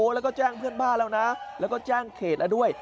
แล้วก็แจ้งเพื่อนบ้านแล้วนะแล้วก็แจ้งเขตแล้วด้วย